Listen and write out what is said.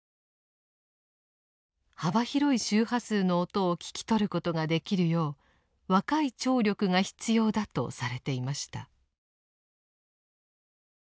幅広い周波数の音を聞き取ることができるよう若い聴力が必要だとされていました。